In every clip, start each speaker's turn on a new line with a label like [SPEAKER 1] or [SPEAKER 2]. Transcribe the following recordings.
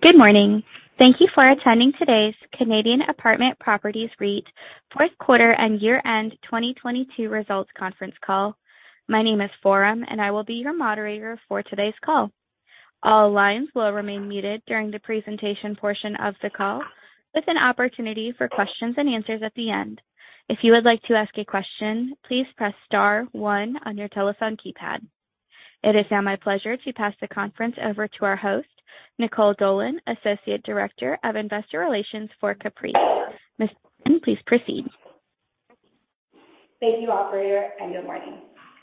[SPEAKER 1] Good morning. Thank you for attending today's Canadian Apartment Properties REIT Fourth Quarter and Year-End 2022 Results Conference Call. My name is Forum, and I will be your moderator for today's call. All lines will remain muted during the presentation portion of the call, with an opportunity for questions and answers at the end. If you would like to ask a question, please press star one on your telephone keypad. It is now my pleasure to pass the conference over to our host, Nicole Dolan, Associate Director of Investor Relations for CAPREIT. Miss Dolan, please proceed.
[SPEAKER 2] Thank you, operator. Good morning.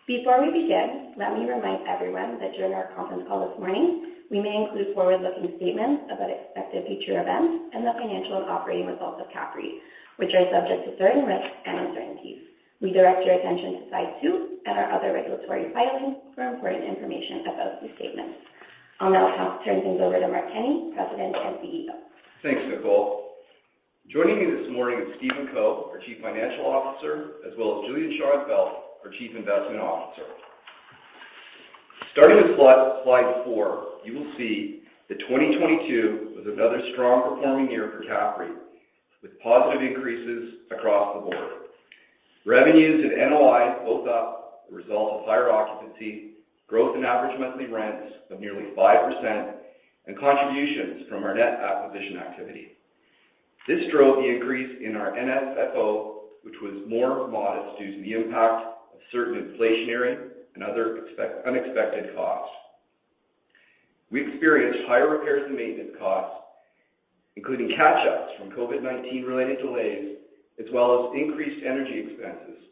[SPEAKER 2] Before we begin, let me remind everyone that during our conference call this morning, we may include forward-looking statements about expected future events and the financial and operating results of CAPREIT, which are subject to certain risks and uncertainties. We direct your attention to slide two and our other regulatory filings for important information about these statements. I'll now turn things over to Mark Kenney, President and CEO.
[SPEAKER 3] Thanks, Nicole. Joining me this morning is Stephen Co, our Chief Financial Officer, as well as Julian Schonfeldt, our Chief Investment Officer. Starting with slide four, you will see that 2022 was another strong performing year for CAPREIT, with positive increases across the board. Revenues and NOIs both up, the result of higher occupancy, growth in average monthly rents of nearly 5%, and contributions from our net acquisition activity. This drove the increase in our NSFO, which was more modest due to the impact of certain inflationary and other unexpected costs. We experienced higher repairs and maintenance costs, including catch-ups from COVID-19 related delays, as well as increased energy expenses.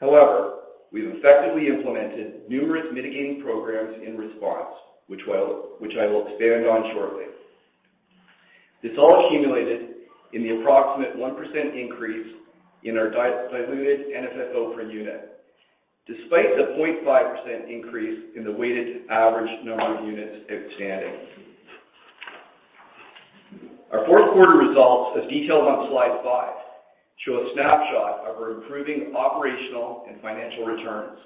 [SPEAKER 3] However, we've effectively implemented numerous mitigating programs in response, which I will expand on shortly. This all accumulated in the approximate 1% increase in our diluted FFO per unit, despite the 0.5% increase in the weighted average number of units outstanding. Our fourth quarter results, as detailed on slide five, show a snapshot of our improving operational and financial returns.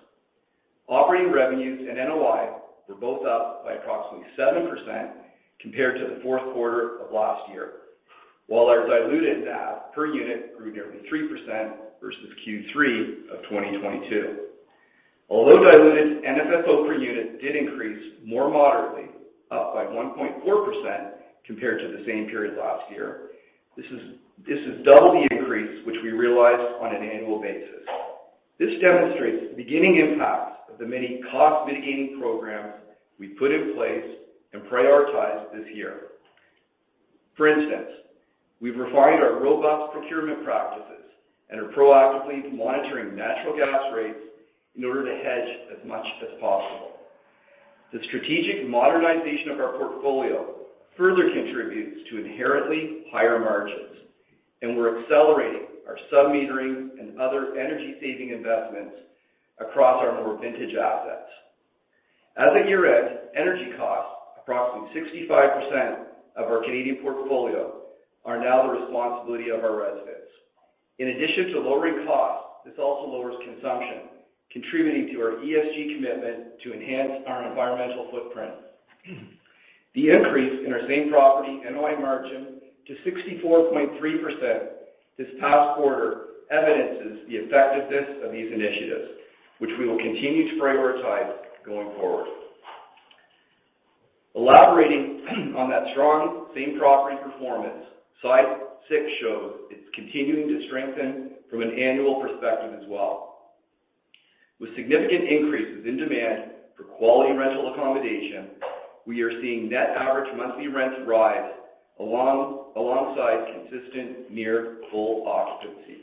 [SPEAKER 3] Operating revenues and NOI were both up by approximately 7% compared to the fourth quarter of last year, while our diluted NAV per unit grew nearly 3% versus Q3 of 2022. Diluted FFO per unit did increase more moderately, up by 1.4% compared to the same period last year. This is double the increase, which we realized on an annual basis. This demonstrates the beginning impact of the many cost mitigating programs we put in place and prioritized this year. For instance, we've refined our robust procurement practices and are proactively monitoring natural gas rates in order to hedge as much as possible. The strategic modernization of our portfolio further contributes to inherently higher margins, and we're accelerating our sub-metering and other energy-saving investments across our more vintage assets. As a year-end, energy costs, approximately 65% of our Canadian portfolio are now the responsibility of our residents. In addition to lowering costs, this also lowers consumption, contributing to our ESG commitment to enhance our environmental footprint. The increase in our same-property NOI margin to 64.3% this past quarter evidences the effectiveness of these initiatives, which we will continue to prioritize going forward. Elaborating on that strong same-property performance, slide six shows it's continuing to strengthen from an annual perspective as well. With significant increases in demand for quality rental accommodation, we are seeing net average monthly rents rise alongside consistent near full occupancy.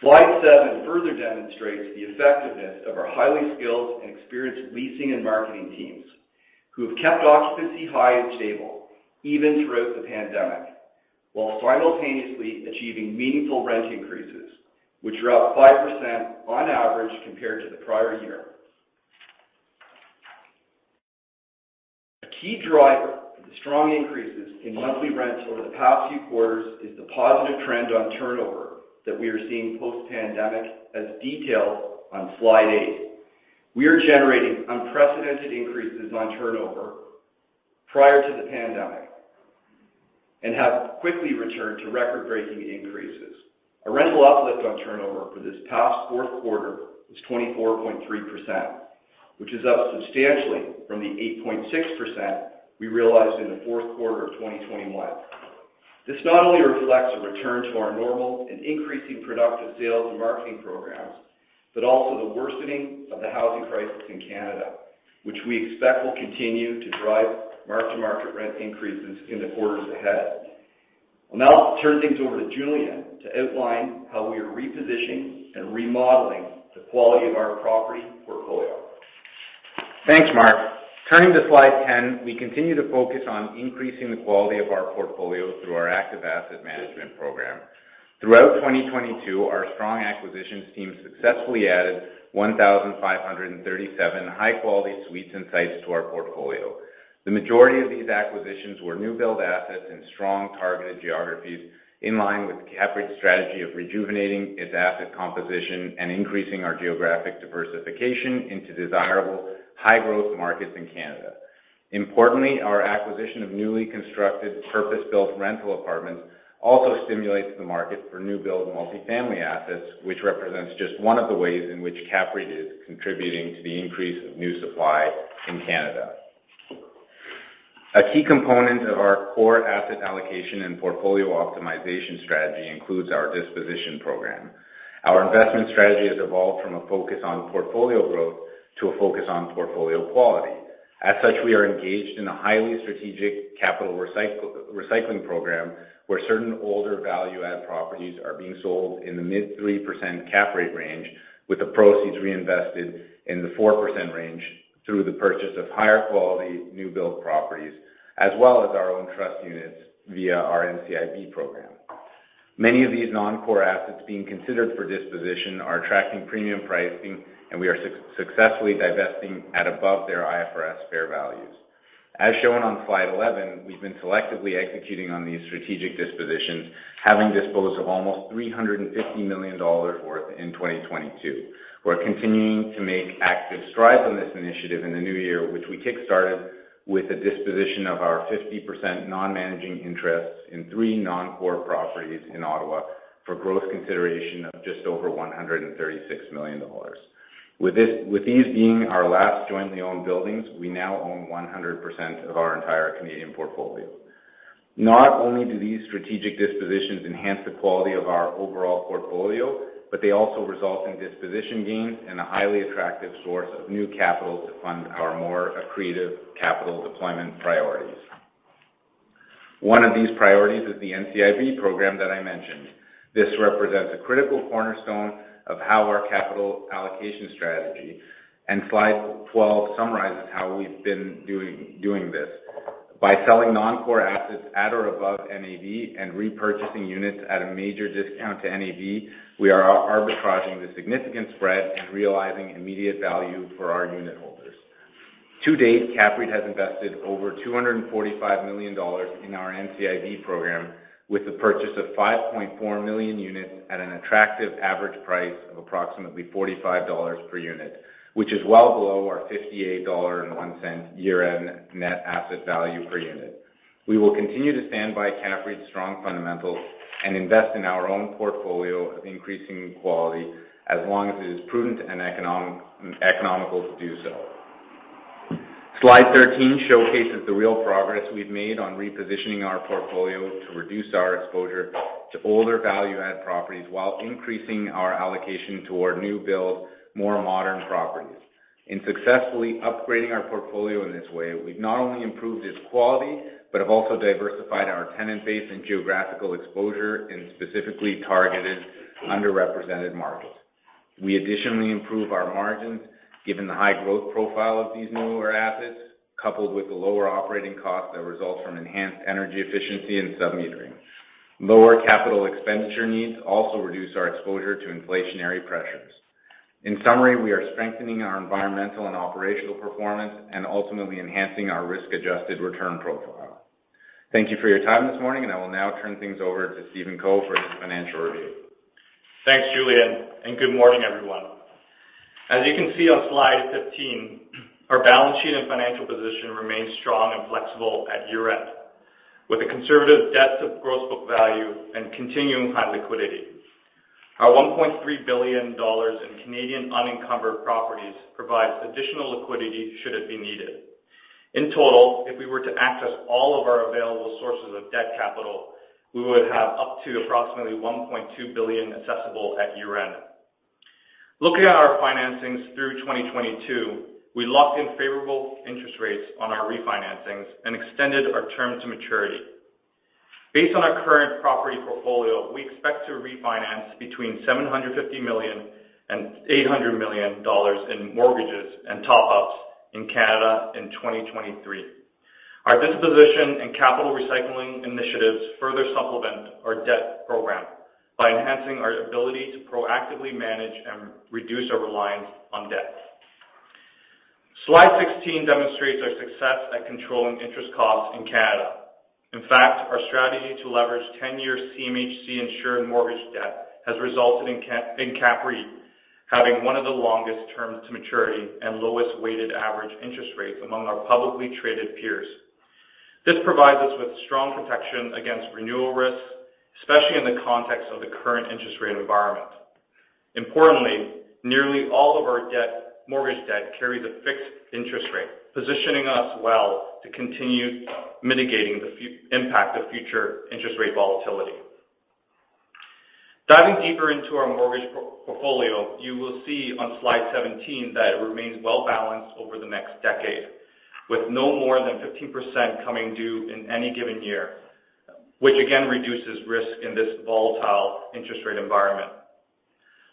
[SPEAKER 3] Slide seven further demonstrates the effectiveness of our highly skilled and experienced leasing and marketing teams, who have kept occupancy high and stable even throughout the pandemic, while simultaneously achieving meaningful rent increases, which are up 5% on average compared to the prior year. A key driver for the strong increases in monthly rents over the past few quarters is the positive trend on turnover that we are seeing post-pandemic, as detailed on slide eight. We are generating unprecedented increases on turnover prior to the pandemic and have quickly returned to record-breaking increases. Our rental uplift on turnover for this past fourth quarter was 24.3%, which is up substantially from the 8.6% we realized in the fourth quarter of 2021. This not only reflects a return to our normal and increasing productive sales and marketing programs, but also the worsening of the housing crisis in Canada, which we expect will continue to drive mark-to-market rent increases in the quarters ahead. I'll now turn things over to Julian to outline how we are repositioning and remodeling the quality of our property portfolio.
[SPEAKER 4] Thanks, Mark. Turning to slide 10, we continue to focus on increasing the quality of our portfolio through our active asset management program. Throughout 2022, our strong acquisitions team successfully added 1,537 high-quality suites and sites to our portfolio. The majority of these acquisitions were new build assets and strong targeted geographies in line with CAPREIT's strategy of rejuvenating its asset composition and increasing our geographic diversification into desirable high-growth markets in Canada. Importantly, our acquisition of newly constructed purpose-built rental apartments also stimulates the market for new build and multifamily assets, which represents just one of the ways in which CAPREIT is contributing to the increase of new supply in Canada. A key component of our core asset allocation and portfolio optimization strategy includes our disposition program. Our investment strategy has evolved from a focus on portfolio growth to a focus on portfolio quality. As such, we are engaged in a highly strategic capital recycling program, where certain older value-add properties are being sold in the mid 3% CAPREIT range, with the proceeds reinvested in the 4% range through the purchase of higher quality new build properties, as well as our own trust units via our NCIB program. Many of these non-core assets being considered for disposition are attracting premium pricing, and we are successfully divesting at above their IFRS fair values. As shown on slide 11, we've been selectively executing on these strategic dispositions, having disposed of almost 350 million dollars worth in 2022. We're continuing to make active strides on this initiative in the new year, which we kick-started with the disposition of our 50% non-managing interests in three non-core properties in Ottawa for gross consideration of just over 136 million dollars. With these being our last jointly owned buildings, we now own 100% of our entire Canadian portfolio. Not only do these strategic dispositions enhance the quality of our overall portfolio, but they also result in disposition gains and a highly attractive source of new capital to fund our more accretive capital deployment priorities. One of these priorities is the NCIB program that I mentioned. This represents a critical cornerstone of how our capital allocation strategy. Slide 12 summarizes how we've been doing this. By selling non-core assets at or above NAV and repurchasing units at a major discount to NAV, we are arbitraging the significant spread and realizing immediate value for our unit holders. To date, CAPREIT has invested over 245 million dollars in our NCIB program, with the purchase of 5.4 million units at an attractive average price of approximately 45 dollars per unit, which is well below our 58.01 dollar year-end net asset value per unit. We will continue to stand by CAPREIT's strong fundamentals and invest in our own portfolio of increasing quality as long as it is prudent and economical to do so. Slide 13 showcases the real progress we've made on repositioning our portfolio to reduce our exposure to older value-add properties while increasing our allocation toward new build, more modern properties. In successfully upgrading our portfolio in this way, we've not only improved its quality, but have also diversified our tenant base and geographical exposure in specifically targeted underrepresented markets. We additionally improve our margins given the high growth profile of these newer assets, coupled with the lower operating costs that result from enhanced energy efficiency and sub-metering. Lower Capital Expenditure needs also reduce our exposure to inflationary pressures. In summary, we are strengthening our environmental and operational performance and ultimately enhancing our risk-adjusted return profile. Thank you for your time this morning, and I will now turn things over to Stephen Co for his financial review.
[SPEAKER 5] Thanks, Julian. Good morning, everyone. As you can see on slide 15, our balance sheet and financial position remains strong and flexible at year-end. With the conservative debt to gross book value and continuing high liquidity. Our 1.3 billion dollars in Canadian unencumbered properties provides additional liquidity should it be needed. In total, if we were to access all of our available sources of debt capital, we would have up to approximately 1.2 billion accessible at year-end. Looking at our financings through 2022, we locked in favorable interest rates on our refinancing and extended our term to maturity. Based on our current property portfolio, we expect to refinance between 750 million and 800 million dollars in mortgages and top ups in Canada in 2023. Our disposition and capital recycling initiatives further supplement our debt program by enhancing our ability to proactively manage and reduce our reliance on debt. Slide 16 demonstrates our success at controlling interest costs in Canada. Our strategy to leverage 10-year CMHC insured mortgage debt has resulted in CAPREIT having one of the longest terms to maturity and lowest weighted average interest rates among our publicly traded peers. This provides us with strong protection against renewal risks, especially in the context of the current interest rate environment. Nearly all of our debt, mortgage debt carries a fixed interest rate, positioning us well to continue mitigating the impact of future interest rate volatility. Diving deeper into our mortgage portfolio, you will see on slide 17 that it remains well-balanced over the next decade, with no more than 15% coming due in any given year, which again reduces risk in this volatile interest rate environment.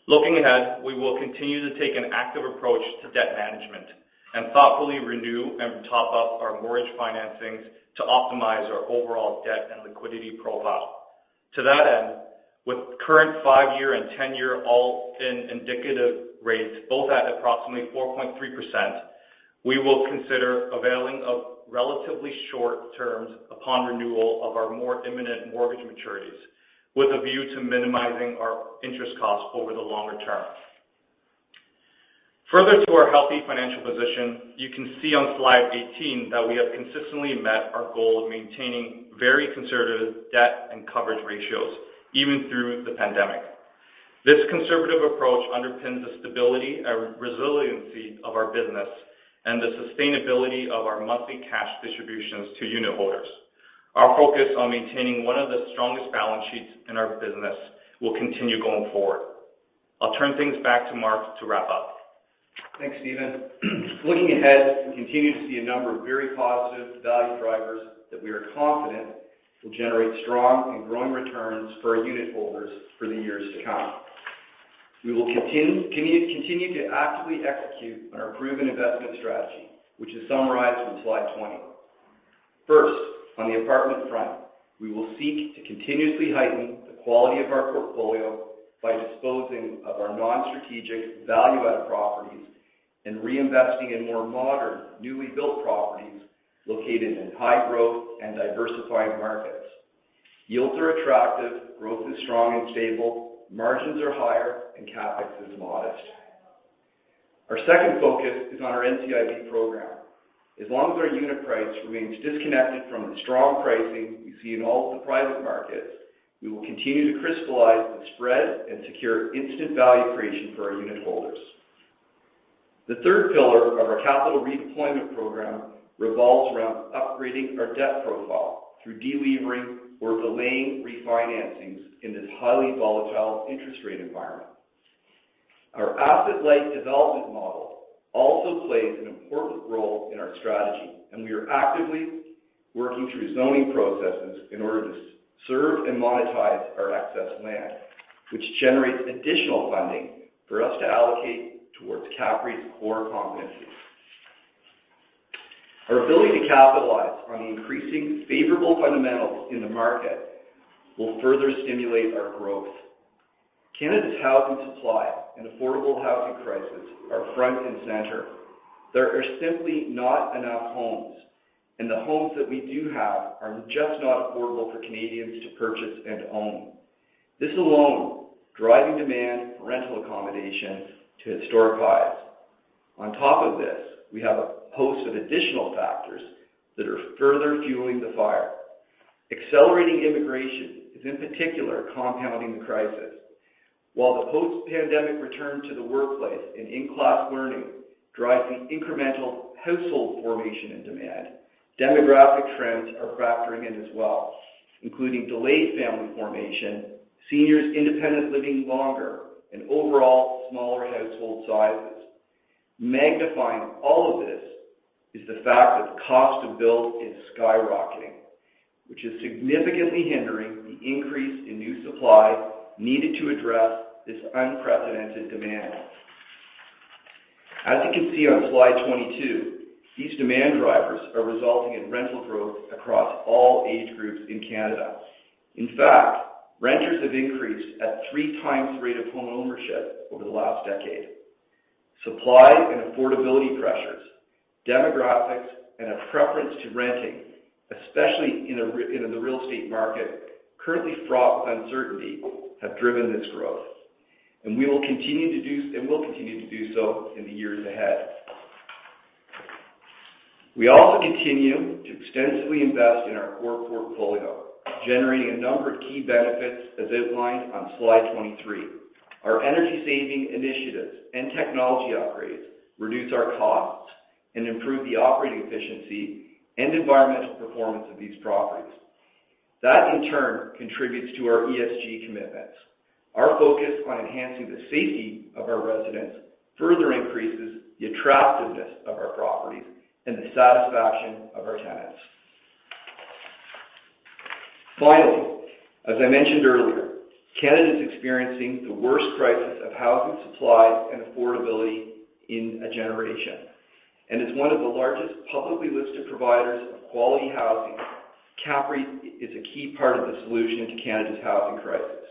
[SPEAKER 5] Looking ahead, we will continue to take an active approach to debt management and thoughtfully renew and top up our mortgage financing to optimize our overall debt and liquidity profile. To that end, with current five year and 10-year all-in indicative rates both at approximately 4.3%, we will consider availing of relatively short terms upon renewal of our more imminent mortgage maturities, with a view to minimizing our interest costs over the longer term. Further to our healthy financial position, you can see on slide 18 that we have consistently met our goal of maintaining very conservative debt and coverage ratios, even through the pandemic. This conservative approach underpins the stability and resiliency of our business and the sustainability of our monthly cash distributions to unitholders. Our focus on maintaining one of the strongest balance sheets in our business will continue going forward. I'll turn things back to Mark to wrap up.
[SPEAKER 3] Thanks, Stephen. Looking ahead, we continue to see a number of very positive value drivers that we are confident will generate strong and growing returns for our unitholders for the years to come. We will continue to actively execute on our proven investment strategy, which is summarized on slide 20. First, on the apartment front, we will seek to continuously heighten the quality of our portfolio by disposing of our non-strategic value-added properties and reinvesting in more modern, newly built properties located in high-growth and diversifying markets. Yields are attractive, growth is strong and stable, margins are higher, and CapEx is modest. Our second focus is on our NCIB program. As long as our unit price remains disconnected from the strong pricing we see in all of the private markets, we will continue to crystallize the spread and secure instant value creation for our unitholders. The third pillar of our capital redeployment program revolves around upgrading our debt profile through delivering or delaying refinancing in this highly volatile interest rate environment. Our asset-light development model also plays an important role in our strategy. We are actively working through zoning processes in order to serve and monetize our excess land, which generates additional funding for us to allocate towards CAPREIT's core competencies. Our ability to capitalize on the increasing favorable fundamentals in the market will further stimulate our growth. Canada's housing supply and affordable housing crisis are front and center. There are simply not enough homes. The homes that we do have are just not affordable for Canadians to purchase and own. This alone is driving demand for rental accommodation to historic highs. On top of this, we have a host of additional factors that are further fueling the fire. Accelerating immigration is, in particular, compounding the crisis. While the post-pandemic return to the workplace and in-class learning drives the incremental household formation and demand, demographic trends are factoring in as well, including delayed family formation, seniors independent living longer, and overall smaller household sizes. Magnifying all of this is the fact that the cost to build is skyrocketing, which is significantly hindering the increase in new supply needed to address this unprecedented demand. As you can see on slide 22, these demand drivers are resulting in rental growth across all age groups in Canada. In fact, renters have increased at three times the rate of home ownership over the last decade. Supply and affordability pressures, demographics, and a preference to renting, especially in the real estate market currently fraught with uncertainty, have driven this growth. We will continue to do so in the years ahead. We also continue to extensively invest in our core portfolio, generating a number of key benefits as outlined on slide 23. Our energy-saving initiatives and technology upgrades reduce our costs and improve the operating efficiency and environmental performance of these properties. That, in turn, contributes to our ESG commitments. Our focus on enhancing the safety of our residents further increases the attractiveness of our properties and the satisfaction of our tenants. Finally, as I mentioned earlier, Canada is experiencing the worst crisis of housing supply and affordability in a generation. As one of the largest publicly listed providers of quality housing, CAPREIT is a key part of the solution to Canada's housing crisis,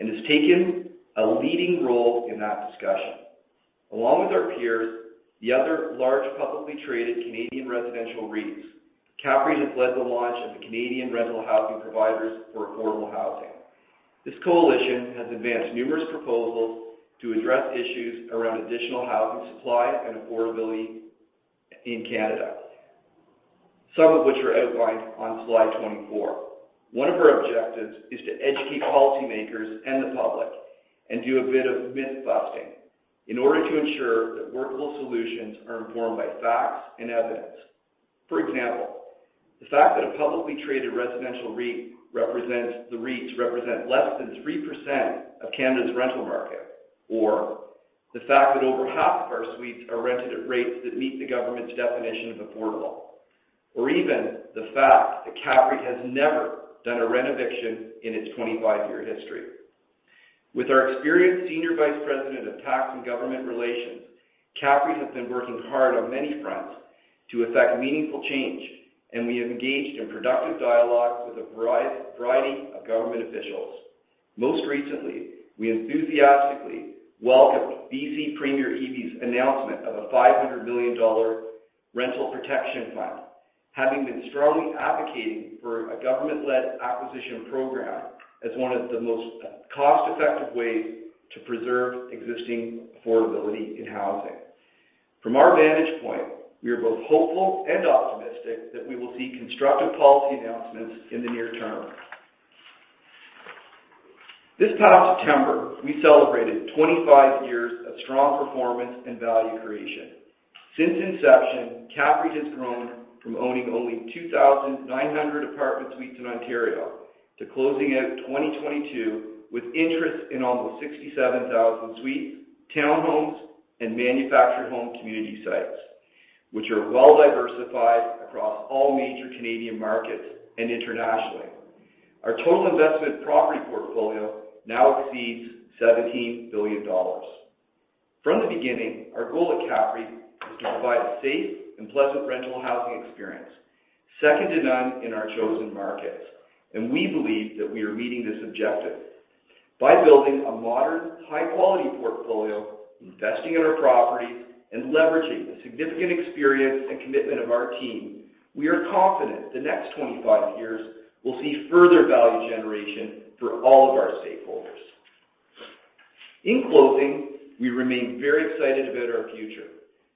[SPEAKER 3] and has taken a leading role in that discussion. Along with our peers, the other large publicly traded Canadian residential REITs, CAPREIT has led the launch of the Canadian Residential Housing Providers for Affordable Housing. This coalition has advanced numerous proposals to address issues around additional housing supply and affordability in Canada, some of which are outlined on slide 24. One of our objectives is to educate policymakers and the public and do a bit of myth-busting in order to ensure that workable solutions are informed by facts and evidence. For example, the fact that the REITs represent less than 3% of Canada's rental market, or the fact that over half of our suites are rented at rates that meet the government's definition of affordable, or even the fact that CAPREIT has never done a renoviction in its 25-year history. With our experienced Senior Vice President of Tax and Government Relations, CAPREIT has been working hard on many fronts to effect meaningful change, and we have engaged in productive dialogues with a variety of government officials. Most recently, we enthusiastically welcomed BC Premier Eby's announcement of a $500 million rental protection plan, having been strongly advocating for a government-led acquisition program as one of the most cost-effective ways to preserve existing affordability in housing. From our vantage point, we are both hopeful and optimistic that we will see constructive policy announcements in the near term. This past September, we celebrated 25 years of strong performance and value creation. Since inception, CAPREIT has grown from owning only 2,900 apartment suites in Ontario to closing out 2022 with interest in almost 67,000 suites, townhomes, and manufactured home community sites, which are well diversified across all major Canadian markets and internationally. Our total investment property portfolio now exceeds 17 billion dollars. From the beginning, our goal at CAPREIT is to provide a safe and pleasant rental housing experience, second to none in our chosen markets, and we believe that we are meeting this objective. By building a modern, high quality portfolio, investing in our properties, and leveraging the significant experience and commitment of our team, we are confident the next 25 years will see further value generation for all of our stakeholders. In closing, we remain very excited about our future.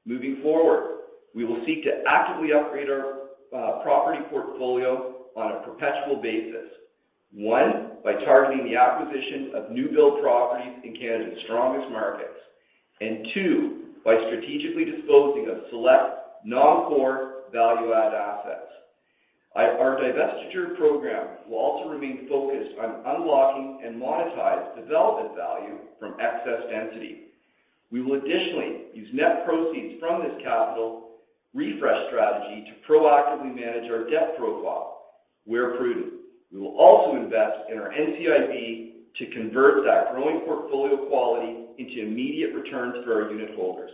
[SPEAKER 3] Moving forward, we will seek to actively upgrade our property portfolio on a perpetual basis. One. By targeting the acquisition of new build properties in Canada's strongest markets. Two. By strategically disposing of select non-core value add assets. Our divestiture program will also remain focused on unlocking and monetized development value from excess density. We will additionally use net proceeds from this capital refresh strategy to proactively manage our debt profile where prudent. We will also invest in our NCIB to convert that growing portfolio quality into immediate returns for our unitholders.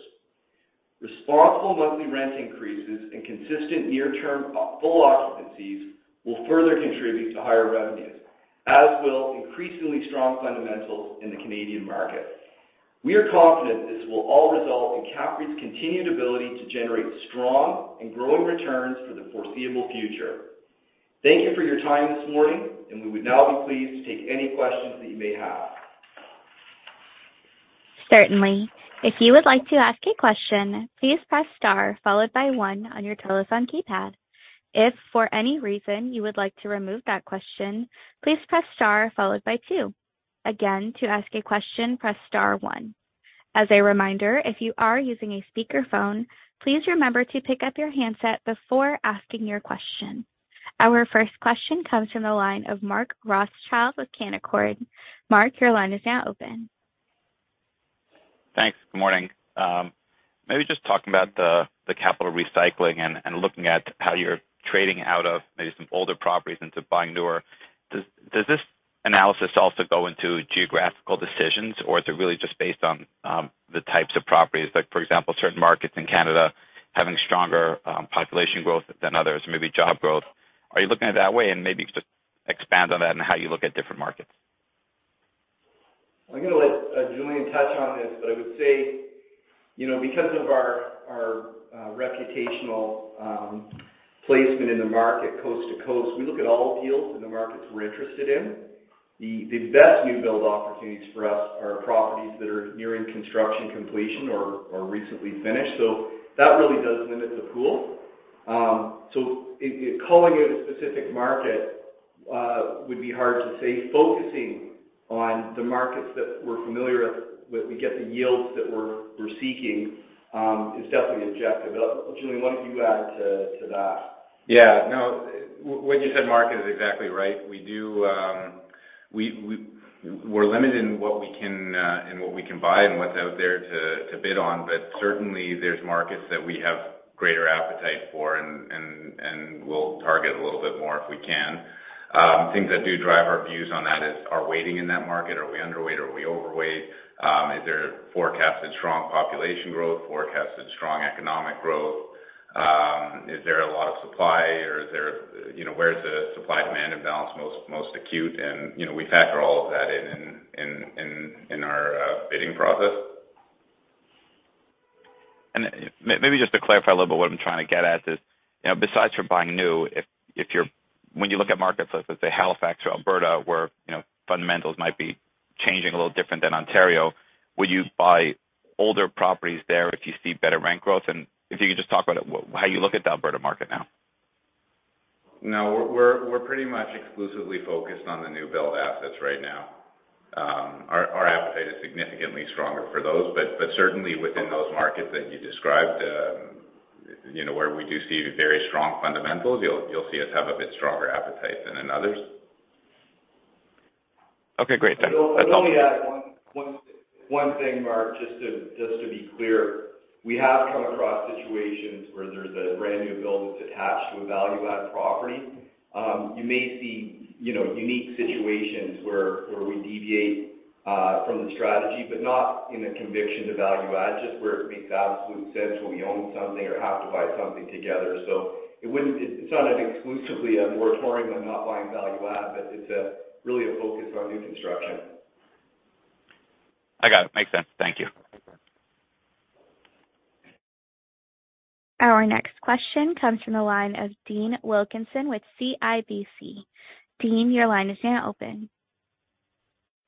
[SPEAKER 3] Responsible monthly rent increases and consistent near term full occupancies will further contribute to higher revenues, as will increasingly strong fundamentals in the Canadian market. We are confident this will all result in CAPREIT's continued ability to generate strong and growing returns for the foreseeable future. Thank you for your time this morning. We would now be pleased to take any questions that you may have.
[SPEAKER 1] Certainly. If you would like to ask a question, please press star followed by one on your telephone keypad. If for any reason you would like to remove that question, please press star followed by two. Again, to ask a question, press star one. As a reminder, if you are using a speakerphone, please remember to pick up your handset before asking your question. Our first question comes from the line of Mark Rothschild with Canaccord. Mark, your line is now open.
[SPEAKER 6] Thanks. Good morning. Maybe just talking about the capital recycling and looking at how you're trading out of maybe some older properties into buying newer. Does this analysis also go into geographical decisions, or is it really just based on the types of properties? Like for example, certain markets in Canada having stronger population growth than others, maybe job growth. Are you looking at it that way? Maybe just expand on that and how you look at different markets.
[SPEAKER 3] I'm gonna let Julian touch on this, but I would say, you know, because of our reputational placement in the market coast to coast, we look at all deals in the markets we're interested in. The best new build opportunities for us are properties that are nearing construction completion or recently finished. That really does limit the pool. Calling it a specific market would be hard to say. Focusing on the markets that we're familiar with, we get the yields that we're seeking is definitely an objective. Julian, why don't you add to that?
[SPEAKER 4] Yeah. No. What you said, Mark, is exactly right. We do, we're limited in what we can, in what we can buy and what's out there to bid on. Certainly there's markets that we have greater appetite for and we'll target a little bit more if we can. Things that do drive our views on that is, are waiting in that market. Are we underweight? Are we overweight? Is there forecasted strong population growth, forecasted strong economic growth? Is there a lot of supply or is there, you know, where's the supply-demand imbalance most acute? You know, we factor all of that in our bidding process.
[SPEAKER 6] Maybe just to clarify a little bit what I'm trying to get at is, you know, besides from buying new, if you're when you look at markets like, let's say, Halifax or Alberta, where, you know, fundamentals might be changing a little different than Ontario, would you buy older properties there if you see better rent growth? If you could just talk about how you look at the Alberta market now?
[SPEAKER 4] No, we're pretty much exclusively focused on the new build assets right now. Our appetite is significantly stronger for those. Certainly within those markets that you described, you know, where we do see very strong fundamentals, you'll see us have a bit stronger appetite than in others.
[SPEAKER 6] Okay, great. Thanks.
[SPEAKER 3] Let me add one thing, Mark, just to be clear. We have come across situations where there's a brand new build that's attached to a value-add property. You may see, you know, unique situations where we deviate from the strategy, but not in a conviction to value-add, just where it makes absolute sense when we own something or have to buy something together. It's not an exclusively a moratorium on not buying value-add, but it's a really a focus on new construction.
[SPEAKER 6] I got it. Makes sense. Thank you.
[SPEAKER 3] Okay.
[SPEAKER 1] Our next question comes from the line of Dean Wilkinson with CIBC. Dean, your line is now open.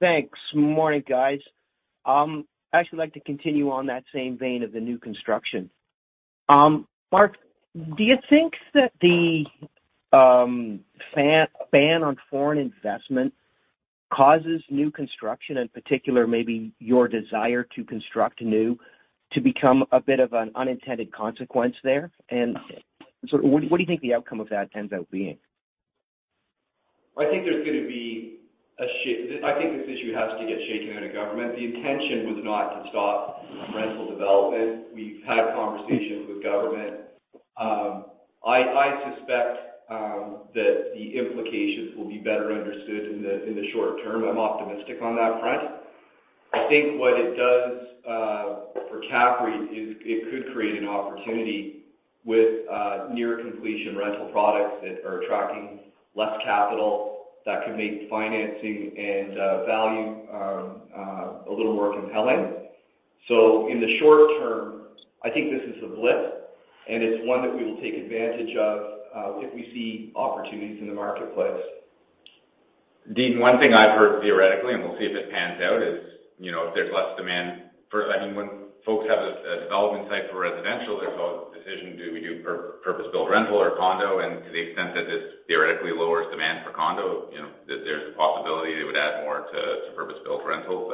[SPEAKER 7] Thanks. Morning, guys. I actually like to continue on that same vein of the new construction. Mark, do you think that the foreign ban on foreign investment causes new construction, in particular, maybe your desire to construct new to become a bit of an unintended consequence there? What do you think the outcome of that ends up being?
[SPEAKER 3] I think this issue has to get shaken out of government. The intention was not to stop rental development. We've had conversations with government. I suspect that the implications will be better understood in the short-term. I'm optimistic on that front. I think what it does for CAPREIT is it could create an opportunity with near completion rental products that are attracting less capital that could make financing and value a little more compelling. In the short-term, I think this is a blip, and it's one that we will take advantage of if we see opportunities in the marketplace.
[SPEAKER 4] Dean, one thing I've heard theoretically, and we'll see if it pans out, is, you know, if there's less demand for... I mean, when folks have a development site for residential, there's a decision, do we do purpose-built rental or condo? To the extent that this theoretically lowers demand for condo, you know, there's a possibility it would add more to purpose-built rentals,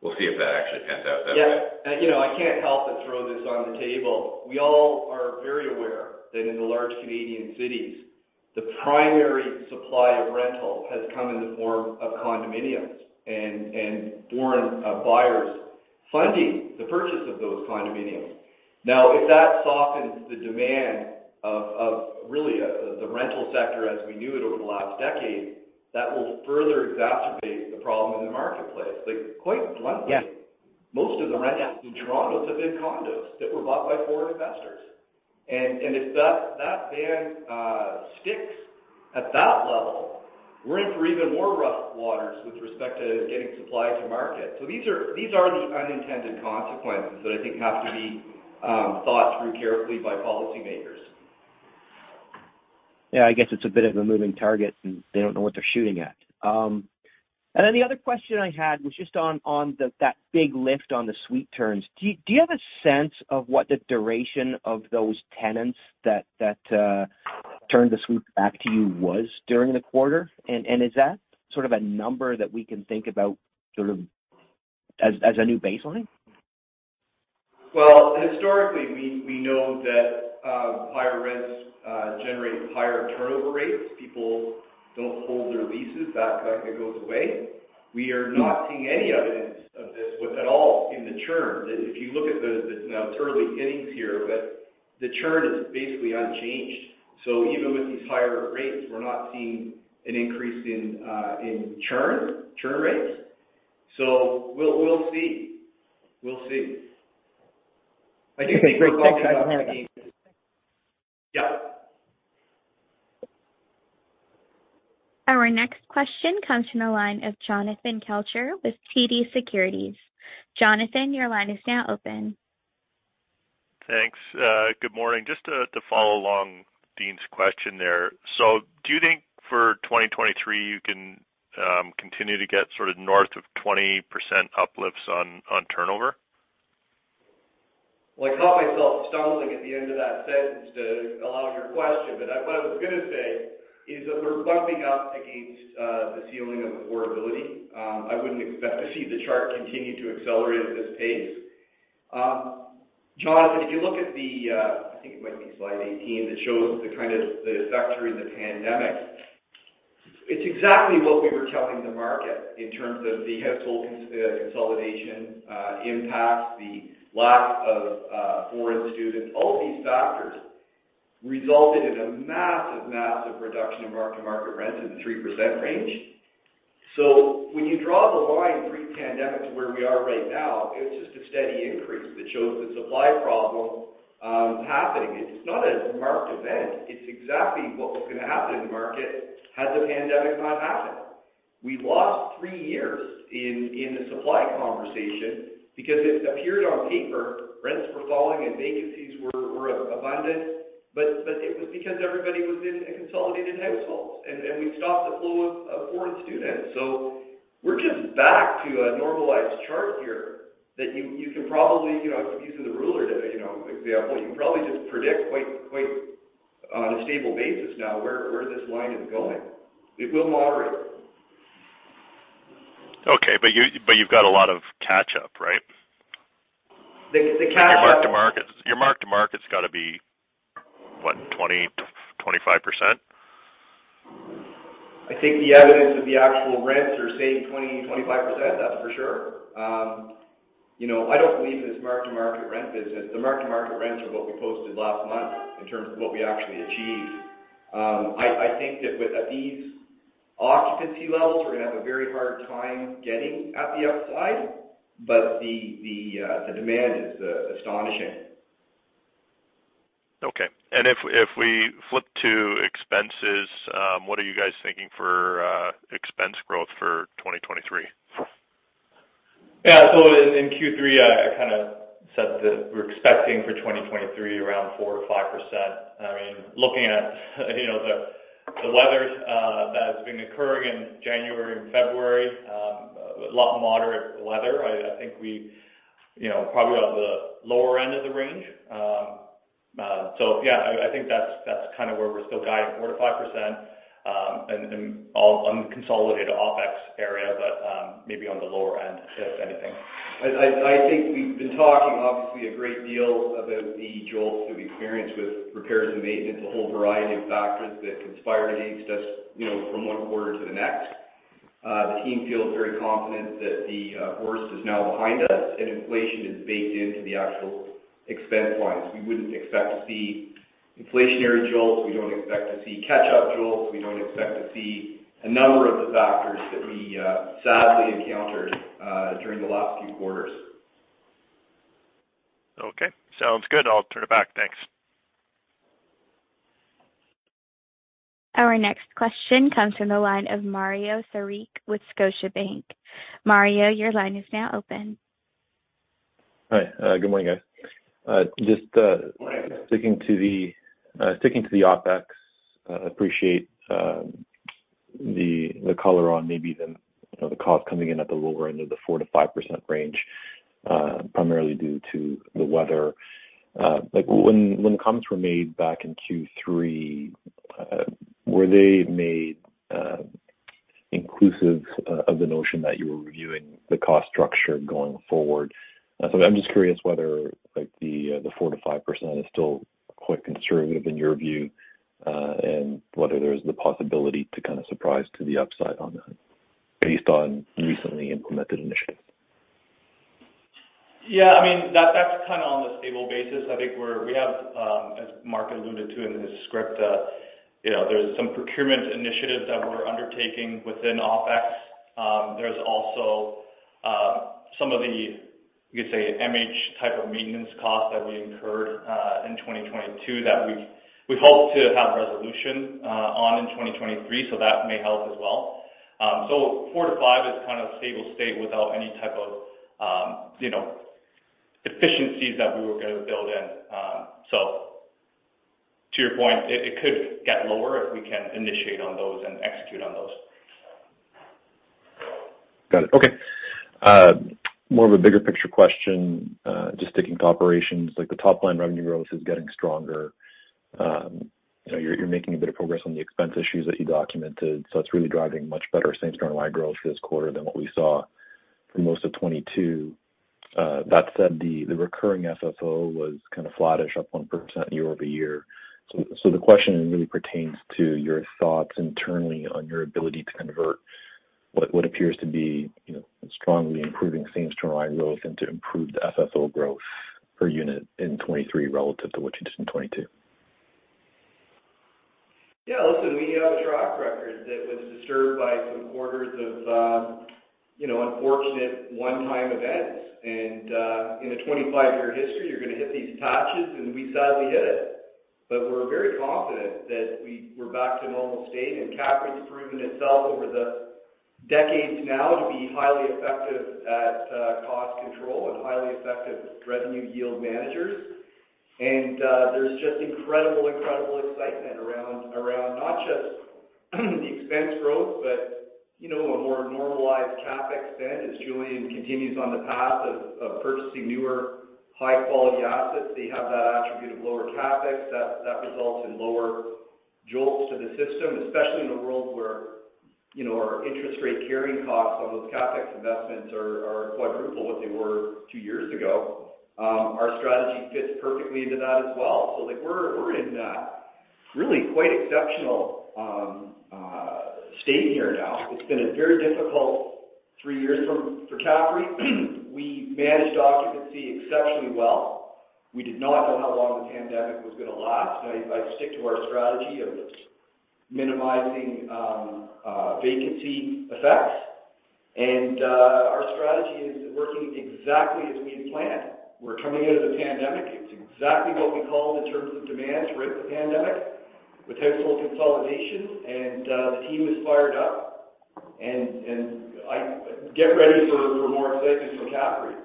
[SPEAKER 4] we'll see if that actually pans out then.
[SPEAKER 3] Yeah. You know, I can't help but throw this on the table. We all are very aware that in the large Canadian cities, the primary supply of rental has come in the form of condominiums and foreign buyers funding the purchase of those condominiums. If that softens the demand of really the rental sector as we knew it over the last decade, that will further exacerbate the problem in the marketplace. Like, quite bluntly
[SPEAKER 7] Yeah.
[SPEAKER 3] Most of the rentals in Toronto have been condos that were bought by foreign investors. If that ban, sticks at that level, we're in for even more rough waters with respect to getting supply to market. These are the unintended consequences that I think have to be thought through carefully by policymakers.
[SPEAKER 7] Yeah. I guess it's a bit of a moving target, and they don't know what they're shooting at. The other question I had was just on that big lift on the suite turns. Do you have a sense of what the duration of those tenants that turned the suite back to you was during the quarter? Is that sort of a number that we can think about sort of as a new baseline?
[SPEAKER 3] Historically, we know that higher rents generate higher turnover rates. People don't hold their leases. That kind of goes away. We are not seeing any evidence of this with at all in the churn. If you look at. Now it's early innings here, but the churn is basically unchanged. Even with these higher rates, we're not seeing an increase in churn rates. We'll see. We'll see. I do think we're well. Yeah.
[SPEAKER 1] Our next question comes from the line of Jonathan Kelcher with TD Securities. Jonathan, your line is now open.
[SPEAKER 8] Thanks. Good morning. Just to follow along Dean's question there. Do you think for 2023, you can continue to get sort of north of 20% uplifts on turnover?
[SPEAKER 3] Well, I caught myself stumbling at the end of that sentence to allow your question, what I was gonna say is that we're bumping up against the ceiling of affordability. I wouldn't expect to see the chart continue to accelerate at this pace. Jonathan, if you look at the, I think it might be slide 18, that shows the kind of the sector in the pandemic. It's exactly what we were telling the market in terms of the household consolidation impact, the lack of foreign students. All these factors resulted in a massive reduction of mark-to-market rent in the 3% range. When you draw the line pre-pandemic to where we are right now, it's just a steady increase that shows the supply problem happening. It's not a marked event. It's exactly what was going to happen in the market had the pandemic not happened. We lost three years in the supply conversation because it appeared on paper rents were falling and vacancies were abundant, but it was because everybody was in a consolidated household and we stopped the flow of foreign students. We're just back to a normalized chart here that you can probably, you know, I keep using the ruler to, you know, example. You can probably just predict quite on a stable basis now where this line is going. It will moderate.
[SPEAKER 8] Okay, you've got a lot of catch-up, right?
[SPEAKER 3] The catch-up-
[SPEAKER 8] Your mark-to-market's gotta be what? 20%-25%?
[SPEAKER 3] I think the evidence of the actual rents are, say, 20-25%. That's for sure. You know, I don't believe in this mark-to-market rent business. The mark-to-market rents are what we posted last month in terms of what we actually achieved. I think that with at these occupancy levels, we're gonna have a very hard time getting at the upside. The demand is astonishing.
[SPEAKER 8] Okay. If we flip to expenses, what are you guys thinking for expense growth for 2023?
[SPEAKER 5] In Q3, I kind of said that we're expecting for 2023 around 4% or 5%. I mean, looking at, you know, the weather, that's been occurring in January and February, a lot moderate weather. I think we, you know, probably on the lower end of the range. Yeah, I think that's kind of where we're still guiding 4%-5%, and all on consolidated OpEx area, but, maybe on the lower end, if anything.
[SPEAKER 3] I think we've been talking obviously a great deal about the jolts that we've experienced with repairs and maintenance, a whole variety of factors that conspired against us, you know, from one quarter to the next. The team feels very confident that the worst is now behind us, and inflation is baked into the actual expense wise. We wouldn't expect to see inflationary jolts. We don't expect to see catch-up jolts. We don't expect to see a number of the factors that we sadly encountered during the last few quarters.
[SPEAKER 8] Okay. Sounds good. I'll turn it back. Thanks.
[SPEAKER 1] Our next question comes from the line of Mario Saric with Scotiabank. Mario, your line is now open.
[SPEAKER 9] Hi. Good morning, guys. Just sticking to the OpEx, appreciate the color on maybe the, you know, the cost coming in at the lower end of the 4%-5% range, primarily due to the weather. Like when comms were made back in Q3, were they made inclusive of the notion that you were reviewing the cost structure going forward? I'm just curious whether, like, the 4%-5% is still quite conservative in your view, and whether there's the possibility to kind of surprise to the upside on that based on recently implemented initiatives.
[SPEAKER 5] I mean, that's kind of on the stable basis. I think we have, as Mark alluded to in his script, you know, there's some procurement initiatives that we're undertaking within OpEx. There's also, some of the, we could say, MH type of maintenance costs that we incurred in 2022 that we hope to have resolution on in 2023, so that may help as well. 4%-5% is kind of stable state without any type of, you know, efficiencies that we were gonna build in. To your point, it could get lower if we can initiate on those and execute on those.
[SPEAKER 9] Got it. Okay. More of a bigger picture question, just sticking to operations. Like, the top line revenue growth is getting stronger. You know, you're making a bit of progress on the expense issues that you documented, so it's really driving much better same-store wide growth this quarter than what we saw for most of 2022. That said, the recurring FFO was kind of flattish, up 1% year-over-year. The question really pertains to your thoughts internally on your ability to convert what appears to be, you know, strongly improving same-store wide growth into improved FFO growth per unit in 2023 relative to what you did in 2022.
[SPEAKER 3] Yeah. Listen, we have a track record that was disturbed by some quarters of, you know, unfortunate one-time events. In a 25-year history, you're gonna hit these patches, and we sadly hit it. We're very confident that we're back to normal state, and CAPREIT's proven itself over the decades now to be highly effective at cost control and highly effective revenue yield managers. There's just incredible excitement around not just the expense growth but, you know, a more normalized CapEx spend. As Julian continues on the path of purchasing newer high-quality assets, they have that attribute of lower CapEx. That results in lower jolts to the system, especially in a world where, you know, our interest rate carrying costs on those CapEx investments are quadruple what they were two years ago. Our strategy fits perfectly into that as well. Like, we're in a really quite exceptional state here now. It's been a very difficult three years for CAPREIT. We managed occupancy exceptionally well. We did not know how long the pandemic was gonna last. I stick to our strategy of minimizing vacancy effects. Our strategy is working exactly as we had planned. We're coming out of the pandemic. It's exactly what we called in terms of demand throughout the pandemic with household consolidation. The team is fired up. Get ready for more excitement from CAPREIT.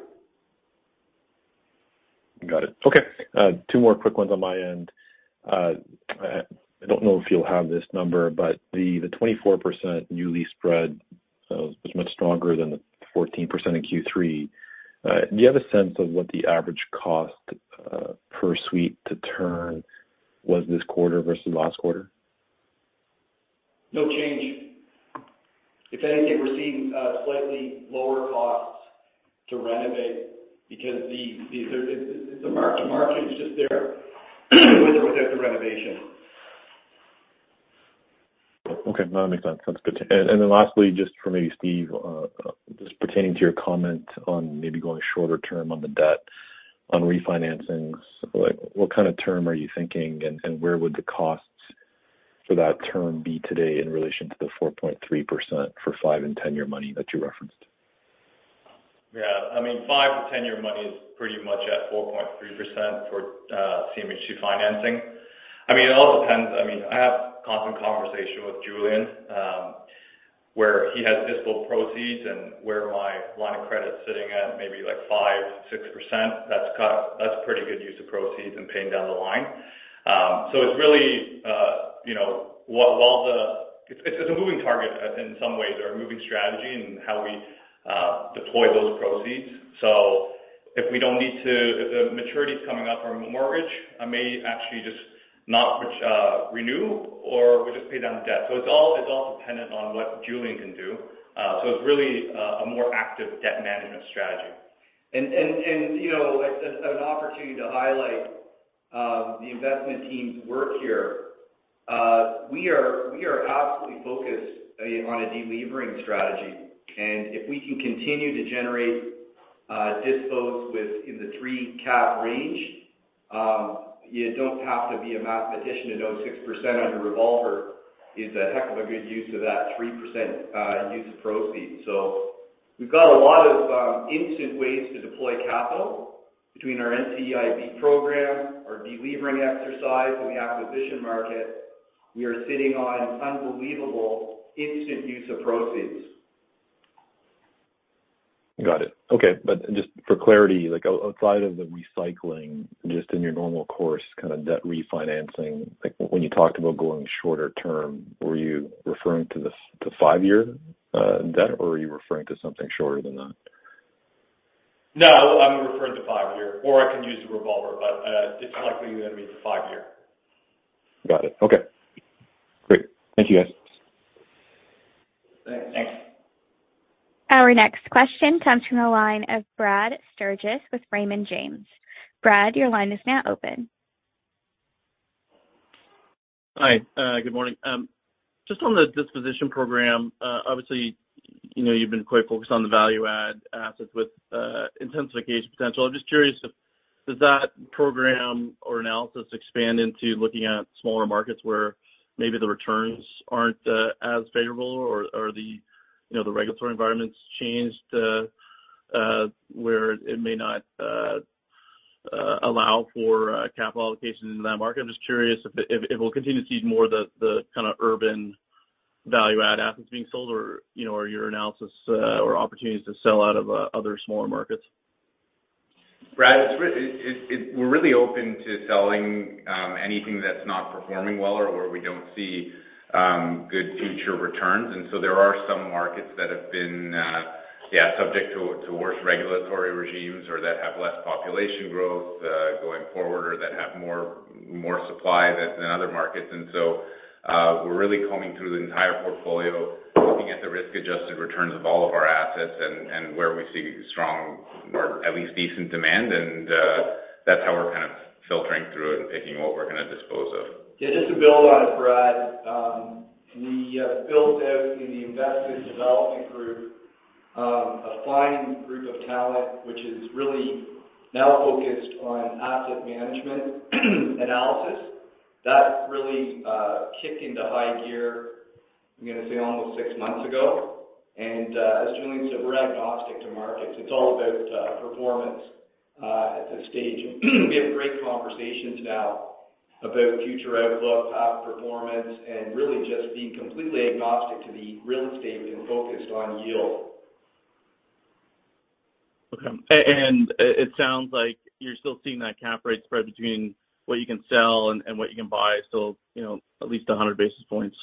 [SPEAKER 9] Got it. Okay. Two more quick ones on my end. I don't know if you'll have this number, but the 24% new lease spread was much stronger than the 14% in Q3. Do you have a sense of what the average cost per suite to turn was this quarter versus last quarter?
[SPEAKER 3] No change. If anything, we're seeing slightly lower costs to renovate because it's the market, the market is just there with or without the renovation.
[SPEAKER 9] Okay. No, that makes sense. That's good to. Then lastly, just for maybe Steve, just pertaining to your comment on maybe going shorter term on the debt on refinancing. Like, what kind of term are you thinking, and where would the costs for that term be today in relation to the 4.3% for five and 10-year money that you referenced?
[SPEAKER 5] I mean, five-10-year money is pretty much at 4.3% for CMHC financing. I mean, it all depends. I mean, I have constant conversation with Julian, where he has dispo proceeds and where my line of credit is sitting at maybe like 5%, 6%. That's pretty good use of proceeds and paying down the line. It's really, you know, it's a moving target in some ways or a moving strategy in how we deploy those proceeds. If the maturity is coming up on the mortgage, I may actually just not renew, or we just pay down the debt. It's all dependent on what Julian can do. It's really a more active debt management strategy.
[SPEAKER 3] You know, as an opportunity to highlight the investment team's work here, we are absolutely focused, I mean, on a delivering strategy. If we can continue to generate dispose in the three cap range, you don't have to be a mathematician to know 6% on your revolver is a heck of a good use of that 3% use of proceeds. We've got a lot of instant ways to deploy capital between our NCIB program, our delivering exercise, and the acquisition market. We are sitting on unbelievable instant use of proceeds.
[SPEAKER 9] Got it. Okay. Just for clarity, like, outside of the recycling, just in your normal course, kind of debt refinancing, like, when you talked about going shorter term, were you referring to the five-year debt, or were you referring to something shorter than that?
[SPEAKER 4] No, I'm referring to five year, or I can use the revolver, but it's likely going to be the five year.
[SPEAKER 9] Got it. Okay. Great. Thank you, guys.
[SPEAKER 3] Thanks.
[SPEAKER 4] Thanks.
[SPEAKER 1] Our next question comes from the line of Brad Sturges with Raymond James. Brad, your line is now open.
[SPEAKER 10] Hi. Good morning. Just on the disposition program, obviously, you know, you've been quite focused on the value add assets with intensification potential. I'm just curious if, does that program or analysis expand into looking at smaller markets where maybe the returns aren't as favorable or the, you know, the regulatory environment's changed where it may not allow for capital allocation into that market? I'm just curious if we'll continue to see more of the kind of urban value add assets being sold or, you know, are your analysis or opportunities to sell out of other smaller markets?
[SPEAKER 4] Brad, we're really open to selling anything that's not performing well or where we don't see good future returns. There are some markets that have been, yeah, subject to worse regulatory regimes or that have less population growth going forward or that have more supply than other markets. We're really combing through the entire portfolio, looking at the risk-adjusted returns of all of our assets and where we see strong or at least decent demand. That's how we're kind of filtering through and picking what we're gonna dispose of.
[SPEAKER 3] Yeah, just to build on it, Brad, we built out in the investment development group a fine group of talent, which is really now focused on asset management analysis. That really kicked into high gear, I'm gonna say almost six months ago. As Julian said, we're agnostic to markets. It's all about performance at this stage. We have great conversations now about future outlook, performance, and really just being completely agnostic to the real estate and focused on yield.
[SPEAKER 10] Okay. It sounds like you're still seeing that Cap rate spread between what you can sell and what you can buy still, you know, at least 100 basis points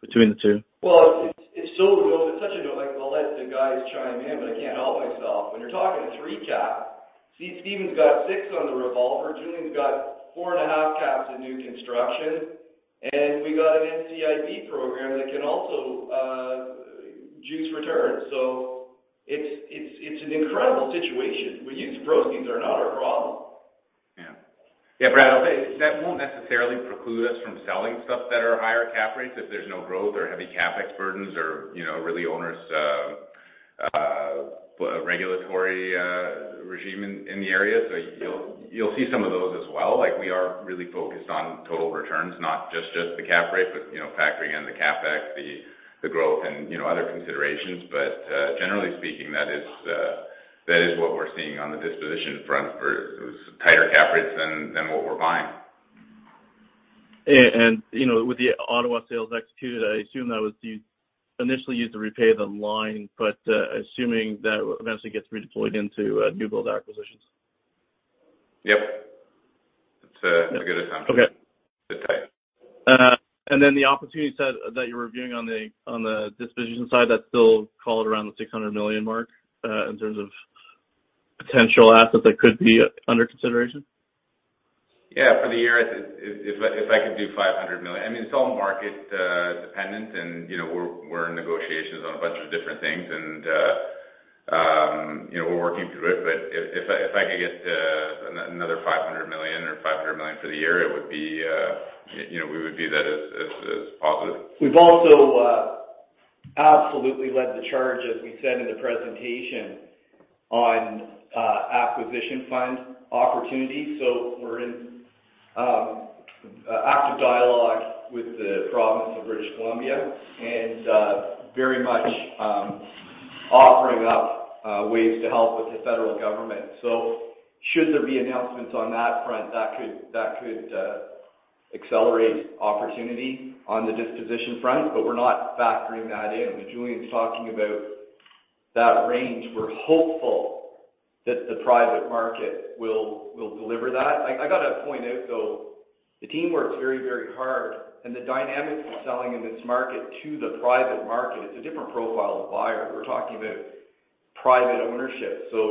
[SPEAKER 10] between the two.
[SPEAKER 3] Well, it's still low. It's such a low... Like, I'll let the guys chime in, but I can't help myself. When you're talking 3% cap, Stephen's got 6% on the revolver, Julian's got 4.5% caps in new construction, and we got an NCIB program that can also juice returns. It's, it's an incredible situation. Proceeds are not our problem.
[SPEAKER 4] Yeah. Yeah, Brad, I'll say that won't necessarily preclude us from selling stuff that are higher cap rates if there's no growth or heavy CapEx burdens or, you know, really onerous regulatory regime in the area. You'll see some of those as well. Like, we are really focused on total returns, not just the cap rate, but, you know, factoring in the CapEx, the growth and, you know, other considerations. Generally speaking, that is what we're seeing on the disposition front for some tighter cap rates than what we're buying.
[SPEAKER 10] You know, with the Ottawa sales executed, I assume that was initially used to repay the line, but assuming that eventually gets redeployed into new build acquisitions.
[SPEAKER 4] Yep. That's a good assumption.
[SPEAKER 10] Okay.
[SPEAKER 4] Okay.
[SPEAKER 10] The opportunity set that you were viewing on the, on the disposition side, that's still called around the 600 million mark, in terms of potential assets that could be under consideration?
[SPEAKER 4] Yeah, for the year, if I could do 500 million. I mean, it's all market dependent. you know, we're in negotiations on a bunch of different things, and, you know, we're working through it. if I could get another 500 million or 500 million for the year, it would be, you know, we would view that as positive.
[SPEAKER 3] We've also absolutely led the charge, as we said in the presentation, on acquisition fund opportunities. We're in active dialogue with the province of British Columbia and very much offering up ways to help with the federal government. Should there be announcements on that front, that could accelerate opportunity on the disposition front, but we're not factoring that in. When Julian's talking about that range, we're hopeful that the private market will deliver that. I got a point out, though, the team works very, very hard, and the dynamics of selling in this market to the private market, it's a different profile of buyer.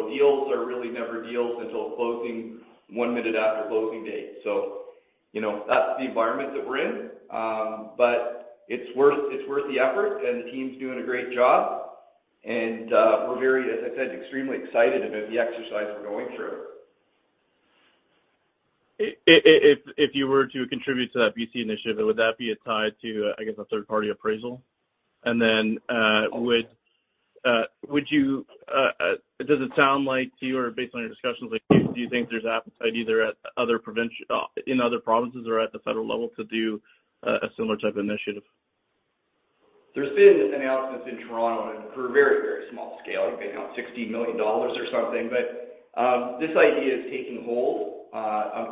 [SPEAKER 3] Deals are really never deals until closing, one minute after closing date. You know, that's the environment that we're in. It's worth the effort, and the team's doing a great job. We're very, as I said, extremely excited about the exercise we're going through.
[SPEAKER 10] If you were to contribute to that BC initiative, would that be a tie to, I guess, a third-party appraisal? Would you, does it sound like to you or based on your discussions with them, do you think there's appetite either in other provinces or at the federal level to do a similar type of initiative?
[SPEAKER 3] There's been announcements in Toronto and for a very, very small scale, maybe about 60 million dollars or something. This idea is taking hold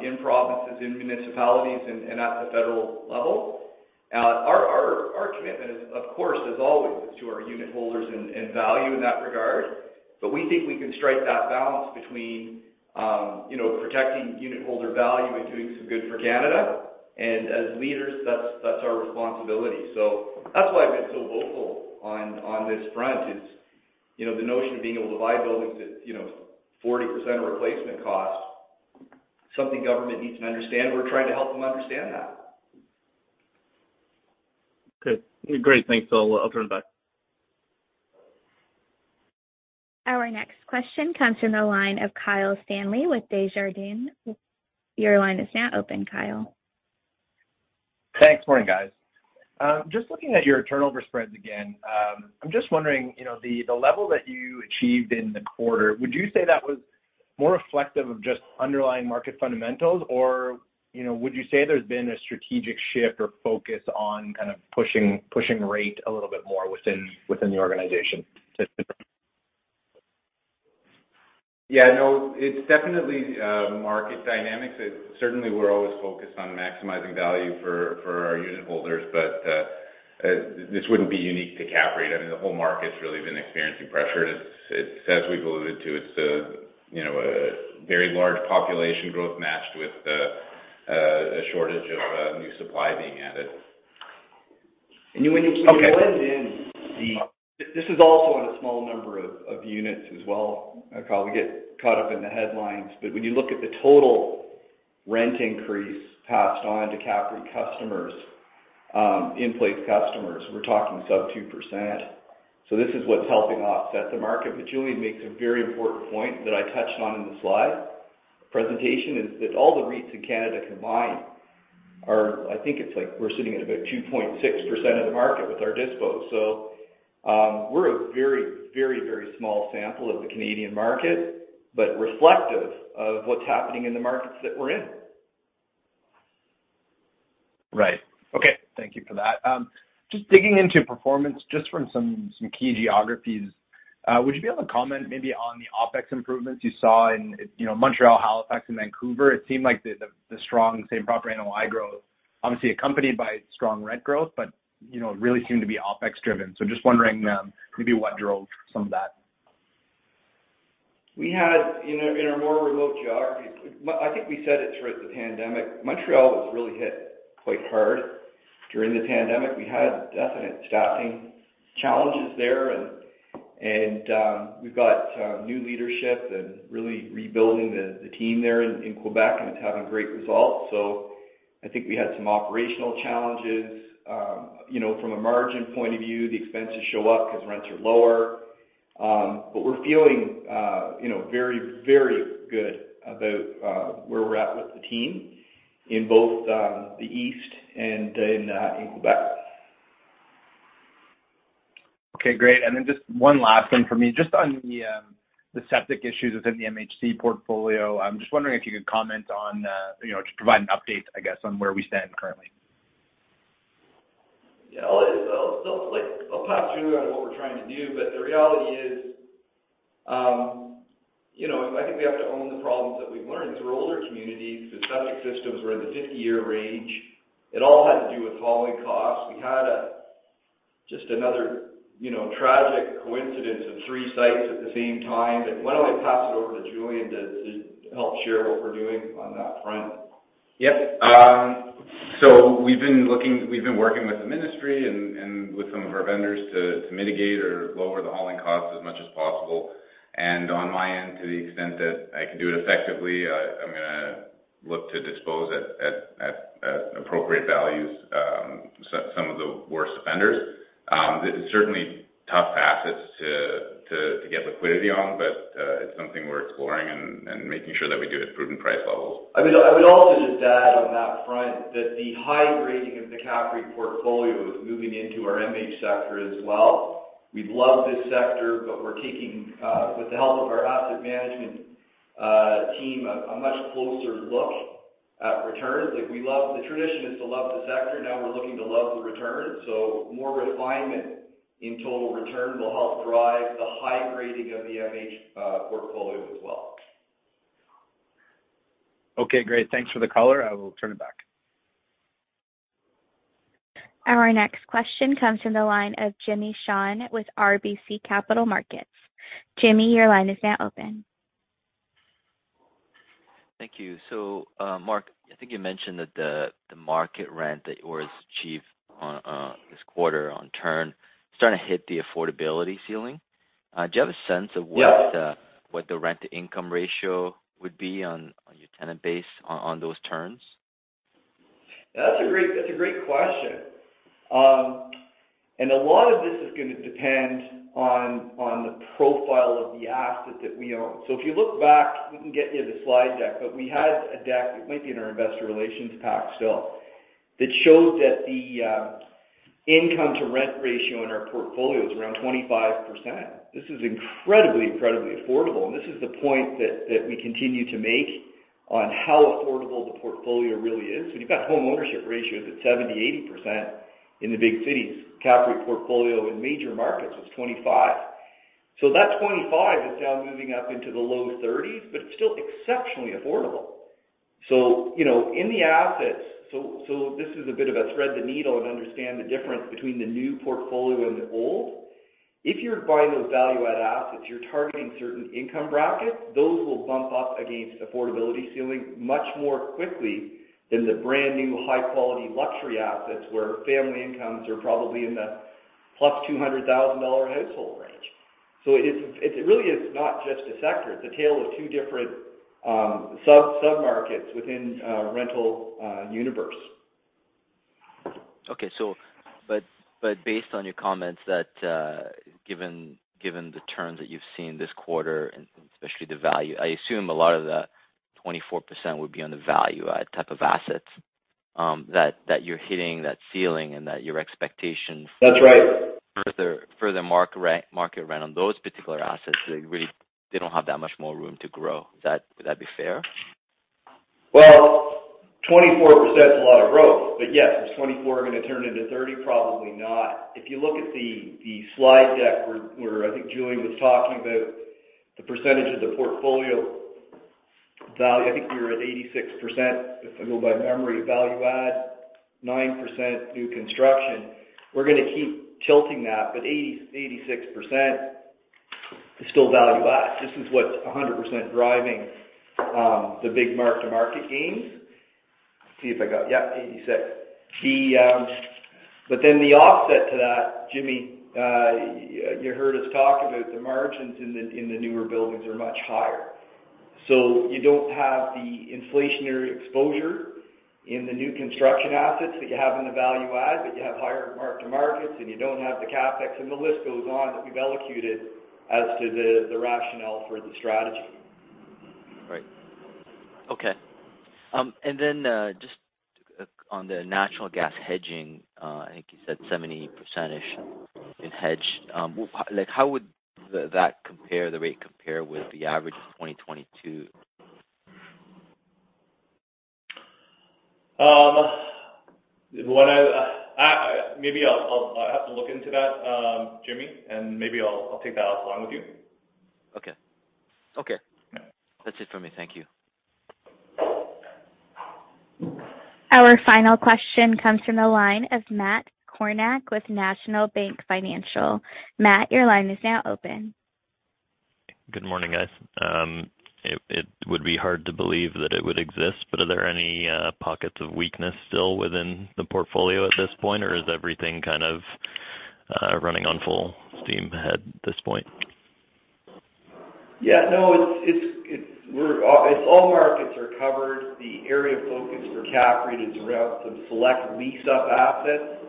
[SPEAKER 3] in provinces, in municipalities and at the federal level. Our commitment is, of course, as always, is to our unit holders and value in that regard. We think we can strike that balance between, you know, protecting unit holder value and doing some good for Canada. As leaders, that's our responsibility. That's why I've been so vocal on this front is, you know, the notion of being able to buy buildings at, you know, 40% of replacement cost, something government needs to understand. We're trying to help them understand that.
[SPEAKER 10] Okay. Great. Thanks. I'll turn it back.
[SPEAKER 1] Our next question comes from the line of Kyle Stanley with Desjardins. Your line is now open, Kyle.
[SPEAKER 11] Thanks. Morning, guys. Just looking at your turnover spreads again, I'm just wondering, you know, the level that you achieved in the quarter, would you say that was more reflective of just underlying market fundamentals? Or, you know, would you say there's been a strategic shift or focus on kind of pushing rate a little bit more within the organization?
[SPEAKER 4] Yeah, no, it's definitely, market dynamics. Certainly we're always focused on maximizing value for our unit holders. This wouldn't be unique to CAPREIT. I mean, the whole market's really been experiencing pressure, and it's as we've alluded to, it's a, you know, a very large population growth matched with the, a shortage of new supply being added.
[SPEAKER 3] when in the
[SPEAKER 11] Okay.
[SPEAKER 3] This is also on a small number of units as well. I probably get caught up in the headlines, but when you look at the total rent increase passed on to CAPREIT customers, in place customers, we're talking sub 2%. This is what's helping offset the market. Julian makes a very important point that I touched on in the slide presentation, is that all the REITs in Canada combined are, I think it's like we're sitting at about 2.6% of the market with our dispos. We're a very, very, very small sample of the Canadian market, but reflective of what's happening in the markets that we're in.
[SPEAKER 11] Right. Okay. Thank you for that. Just digging into performance just from some key geographies, would you be able to comment maybe on the OpEx improvements you saw in, you know, Montreal, Halifax and Vancouver? It seemed like the, the strong same-property NOI growth obviously accompanied by strong rent growth, but, you know, it really seemed to be OpEx driven. Just wondering, maybe what drove some of that?
[SPEAKER 3] We had in a more remote geography. I think we said it throughout the pandemic, Montreal was really hit quite hard during the pandemic. We had definite staffing challenges there and we've got new leadership and really rebuilding the team there in Quebec, and it's having great results. I think we had some operational challenges. you know, from a margin point of view, the expenses show up because rents are lower. We're feeling, you know, very, very good about where we're at with the team in both the East and in Quebec.
[SPEAKER 11] Okay, great. Just one last one for me. Just on the septic issues within the MHC portfolio. I'm just wondering if you could comment on, you know, just provide an update, I guess, on where we stand currently.
[SPEAKER 3] Yeah. I'll click. I'll pass Julian on what we're trying to do. The reality is, you know, I think we have to own the problems that we've learned through older communities. The septic systems were in the 50-year range. It all had to do with falling costs. We had just another, you know, tragic coincidence of 3 sites at the same time. Why don't I pass it over to Julian to help share what we're doing on that front?
[SPEAKER 4] Yep. We've been working with the ministry and with some of our vendors to mitigate or lower the hauling costs as much as possible. On my end, to the extent that I can do it effectively, I'm gonna look to dispose at appropriate values, some of the worst offenders. It's certainly tough assets to get liquidity on, but it's something we're exploring and making sure that we do at proven price levels.
[SPEAKER 3] I mean, I would also just add on that front that the high grading of the CAPREIT portfolio is moving into our MH sector as well. We love this sector, but we're taking, with the help of our asset management team, a much closer look at returns. Like, the tradition is to love the sector. Now we're looking to love the returns. More refinement in total returns will help drive the high grading of the MH portfolio as well.
[SPEAKER 11] Okay, great. Thanks for the color. I will turn it back.
[SPEAKER 1] Our next question comes from the line of Jimmy Shan with RBC Capital Markets. Jimmy, your line is now open.
[SPEAKER 12] Thank you. Mark, I think you mentioned that the market rent that you always achieve on this quarter on turn starting to hit the affordability ceiling. Do you have a sense of what?
[SPEAKER 3] Yeah.
[SPEAKER 12] what the rent-to-income ratio would be on your tenant base on those terms?
[SPEAKER 3] That's a great question. A lot of this is gonna depend on the profile of the asset that we own. If you look back, we can get you the slide deck, but we had a deck, it might be in our investor relations pack still, that shows that the income-to-rent ratio in our portfolio is around 25%. This is incredibly affordable, and this is the point that we continue to make on how affordable the portfolio really is. When you've got home ownership ratios at 70%, 80% in the big cities, CAPREIT portfolio in major markets was 25. That 25 is now moving up into the low 30s, but it's still exceptionally affordable. You know, in the assets... This is a bit of a thread the needle and understand the difference between the new portfolio and the old. If you're buying those value-add assets, you're targeting certain income brackets. Those will bump up against affordability ceiling much more quickly than the brand-new, high-quality luxury assets where family incomes are probably in the plus 200,000 dollar household range. It really is not just a sector. It's a tale of two different sub-submarkets within a rental universe.
[SPEAKER 12] Based on your comments that, given the terms that you've seen this quarter and especially the value, I assume a lot of that 24% would be on the value-add type of assets, that you're hitting that ceiling and that your expectations.
[SPEAKER 3] That's right.
[SPEAKER 12] Further mark-to-market rent on those particular assets, they really didn't have that much more room to grow. Would that be fair?
[SPEAKER 3] Well, 24% is a lot of growth. Yes, is 24 gonna turn into 30? Probably not. If you look at the slide deck where I think Julian was talking about the percentage of the portfolio value, I think we were at 86%, if I go by memory, value add, 9% new construction. We're gonna keep tilting that. 86% is still value add. This is what's 100% driving the big mark-to-market gains. Let's see if I got. Yeah, 86. The. Then the offset to that, Jimmy, you heard us talk about the margins in the newer buildings are much higher. You don't have the inflationary exposure in the new construction assets that you have in the value add, but you have higher mark-to-market, and you don't have the CapEx, and the list goes on that we've executed as to the rationale for the strategy.
[SPEAKER 12] Right. Okay. Then, just on the natural gas hedging, I think you said 70%-ish in hedge. Like, how would that compare, the rate compare with the average of 2022?
[SPEAKER 3] Maybe I'll have to look into that, Jimmy, and maybe I'll take that offline with you.
[SPEAKER 12] Okay. Okay.
[SPEAKER 3] Yeah.
[SPEAKER 12] That's it for me. Thank you.
[SPEAKER 1] Our final question comes from the line of Matt Kornack with National Bank Financial. Matt, your line is now open.
[SPEAKER 13] Good morning, guys. It would be hard to believe that it would exist, but are there any pockets of weakness still within the portfolio at this point? Is everything kind of running on full steam ahead at this point?
[SPEAKER 3] Yeah, no. It's all markets are covered. The area of focus for CAPREIT is around some select lease-up assets,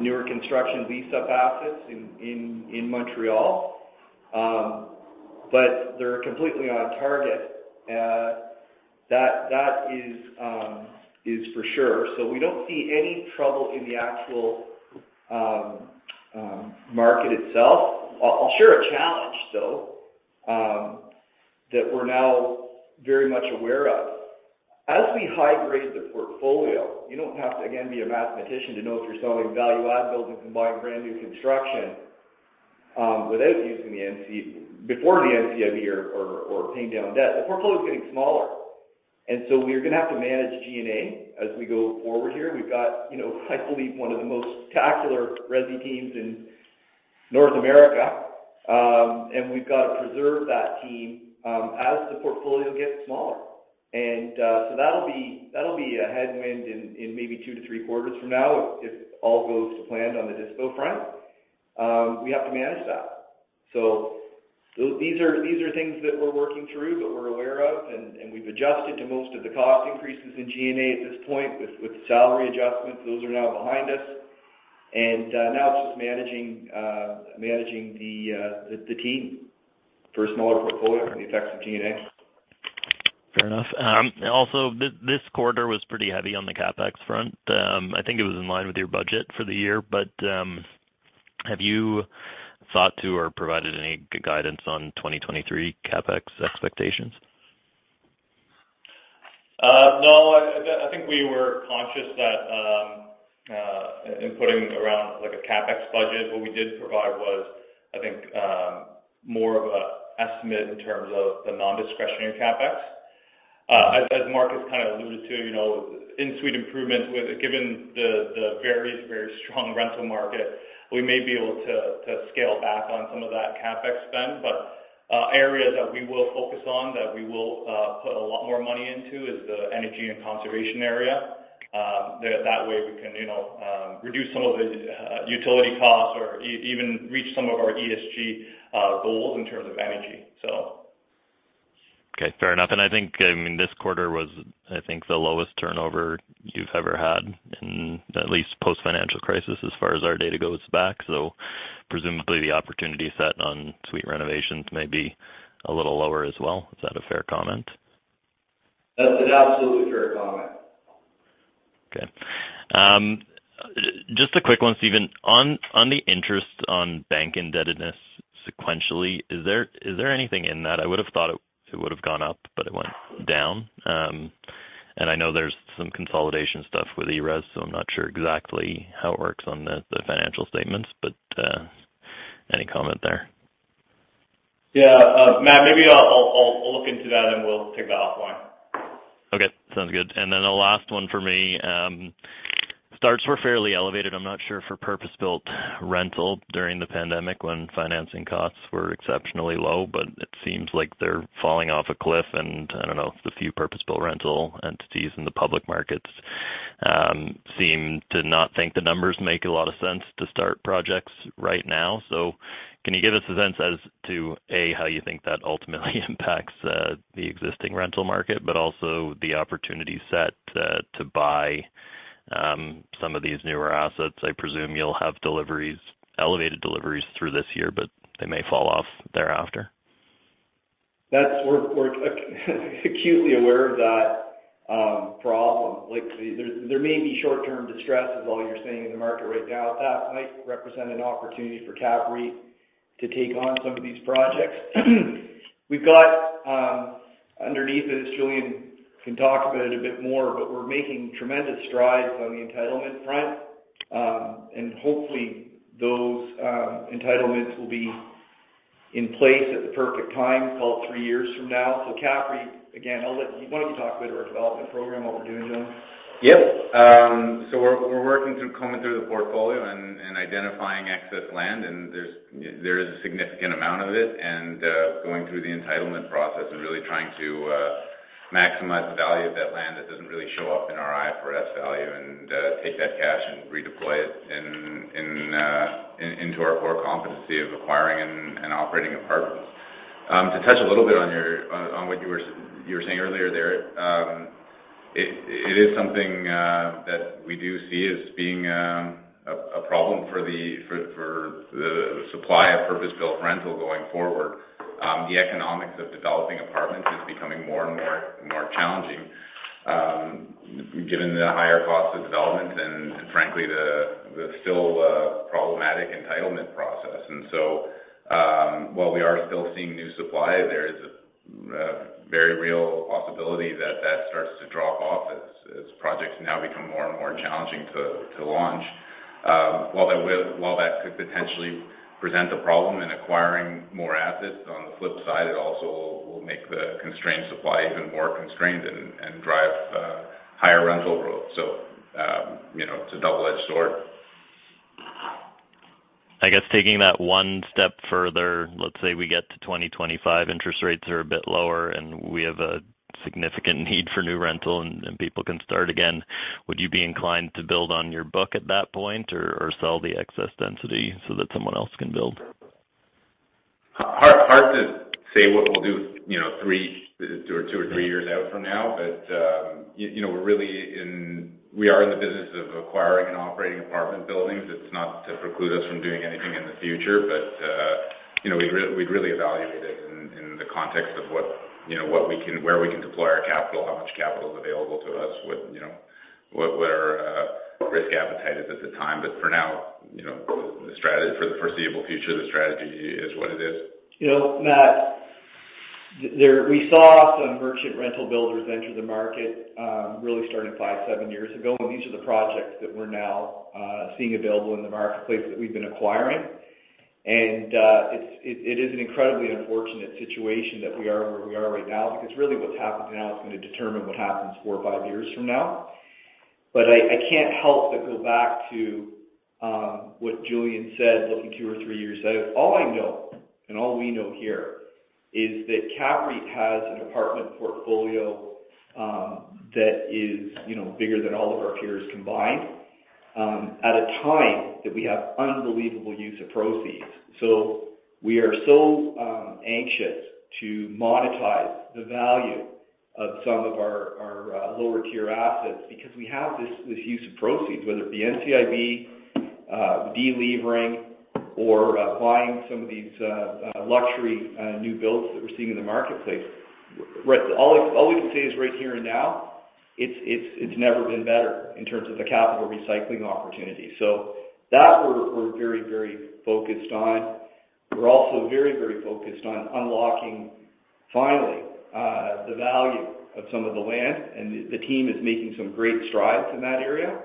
[SPEAKER 3] newer construction lease-up assets in Montreal. They're completely on target. That is for sure. We don't see any trouble in the actual market itself. I'll share a challenge, though, that we're now very much aware of. As we high grade the portfolio, you don't have to, again, be a mathematician to know if you're selling value-add buildings and buying brand-new construction, without using the NC before the NC of the year or paying down debt. The portfolio is getting smaller. We're gonna have to manage G&A as we go forward here. We've got, you know, I believe one of the most spectacular resi teams in North America. We've got to preserve that team as the portfolio gets smaller. That'll be a headwind in maybe two, three quarters from now if all goes to plan on the dispo front. We have to manage that. These are things that we're working through, that we're aware of, and we've adjusted to most of the cost increases in G&A at this point with salary adjustments. Those are now behind us. Now it's just managing the team for a smaller portfolio and the effects of G&A.
[SPEAKER 13] Fair enough. Also this quarter was pretty heavy on the CapEx front. I think it was in line with your budget for the year. Have you thought to or provided any guidance on 2023 CapEx expectations?
[SPEAKER 3] No. I think we were conscious that in putting around, like, a CapEx budget, what we did provide was, I think, more of a estimate in terms of the non-discretionary CapEx. As Marcus kind of alluded to, you know, in suite improvements given the very strong rental market, we may be able to scale back on some of that CapEx spend. Areas that we will focus on, that we will put a lot more money into is the energy and conservation area. That way we can, you know, reduce some of the utility costs or even reach some of our ESG goals in terms of energy, so.
[SPEAKER 13] Okay, fair enough. I think, I mean, this quarter was, I think, the lowest turnover you've ever had in at least post-financial crisis, as far as our data goes back. Presumably, the opportunity set on suite renovations may be a little lower as well. Is that a fair comment?
[SPEAKER 3] That's an absolutely fair comment.
[SPEAKER 13] Okay. Just a quick one, Stephen. On the interest on bank indebtedness sequentially, is there anything in that? I would have thought it would have gone up, but it went down. I know there's some consolidation stuff with ERES, so I'm not sure exactly how it works on the financial statements. Any comment there?
[SPEAKER 5] Yeah. Matt, maybe I'll look into that. We'll take that offline.
[SPEAKER 13] Okay, sounds good. The last one for me, starts were fairly elevated, I'm not sure, for purpose-built rental during the pandemic when financing costs were exceptionally low. It seems like they're falling off a cliff, and I don't know, the few purpose-built rental entities in the public markets seem to not think the numbers make a lot of sense to start projects right now. Can you give us a sense as to, A, how you think that ultimately impacts the existing rental market, but also the opportunity set to buy some of these newer assets? I presume you'll have deliveries, elevated deliveries through this year, but they may fall off thereafter.
[SPEAKER 3] We're acutely aware of that problem. Like, there may be short-term distress, is all you're saying, in the market right now. That might represent an opportunity for CAPREIT to take on some of these projects. We've got underneath this, Julian can talk about it a bit more, but we're making tremendous strides on the entitlement front. Hopefully, those entitlements will be in place at the perfect time, call it 3 years from now. CAPREIT, again, Why don't you talk about our development program, what we're doing, Julian?
[SPEAKER 4] Yep. We're working through combing through the portfolio and identifying excess land, there is a significant amount of it. Going through the entitlement process and really trying to maximize the value of that land that doesn't really show up in our IFRS value and take that cash and redeploy it into our core competency of acquiring and operating apartments. To touch a little bit on what you were saying earlier there, it is something that we do see as being a problem for the supply of purpose-built rental going forward. The economics of developing apartments is becoming more and more challenging, given the higher cost of development and frankly, the still problematic entitlement process. While we are still seeing new supply, there is a very real possibility that that starts to drop off as projects now become more and more challenging to launch. While that could potentially present a problem in acquiring more assets, on the flip side, it also will make the constrained supply even more constrained and drive higher rental growth. You know, it's a double-edged sword.
[SPEAKER 13] I guess taking that one step further, let's say we get to 2025, interest rates are a bit lower, we have a significant need for new rental and people can start again. Would you be inclined to build on your book at that point or sell the excess density so that someone else can build?
[SPEAKER 4] Hard to say what we'll do, you know, two or three years out from now. You know, we are in the business of acquiring and operating apartment buildings. It's not to preclude us from doing anything in the future, you know, we'd really evaluate it in the context of what, you know, where we can deploy our capital, how much capital is available to us, what, you know, what our risk appetite is at the time. For now, you know, for the foreseeable future, the strategy is what it is.
[SPEAKER 3] You know, Matt, we saw some merchant rental builders enter the market, really starting five, seven years ago. These are the projects that we're now seeing available in the marketplace that we've been acquiring. It is an incredibly unfortunate situation that we are where we are right now, because really what's happened now is going to determine what happens four or five years from now. I can't help but go back to what Julian said, looking two or three years out. All I know, and all we know here is that CAPREIT has an apartment portfolio, that is, you know, bigger than all of our peers combined, at a time that we have unbelievable use of proceeds. We are so anxious to monetize the value of some of our lower tier assets because we have this use of proceeds, whether it be NCIB, delivering or buying some of these luxury new builds that we're seeing in the marketplace. Right. All we can say is right here and now, it's never been better in terms of the capital recycling opportunity. That we're very focused on. We're also very focused on unlocking finally the value of some of the land, and the team is making some great strides in that area.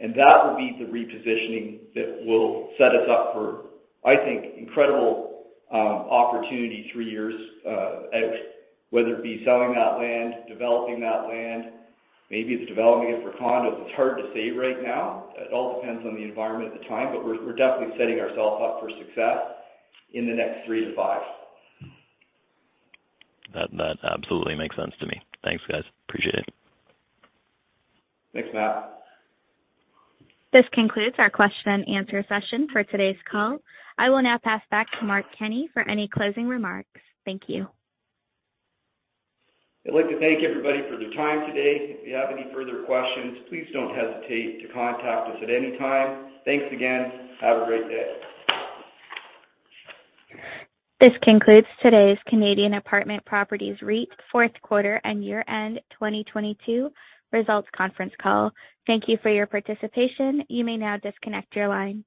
[SPEAKER 3] That will be the repositioning that will set us up for, I think, incredible opportunity three years out, whether it be selling that land, developing that land, maybe it's developing it for condos. It's hard to say right now. It all depends on the environment at the time, but we're definitely setting ourselves up for success in the next three to five.
[SPEAKER 13] That absolutely makes sense to me. Thanks, guys. Appreciate it.
[SPEAKER 3] Thanks, Matt.
[SPEAKER 1] This concludes our question and answer session for today's call. I will now pass back to Mark Kenney for any closing remarks. Thank you.
[SPEAKER 3] I'd like to thank everybody for their time today. If you have any further questions, please don't hesitate to contact us at any time. Thanks again. Have a great day.
[SPEAKER 1] This concludes today's Canadian Apartment Properties REIT fourth quarter and year-end 2022 results conference call. Thank you for your participation. You may now disconnect your line.